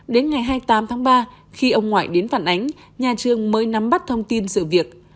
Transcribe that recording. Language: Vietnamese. đến ngày hai mươi tám tháng ba khi ông ngoại đến phản ánh nhà trường mới nắm bắt thông tin sự việc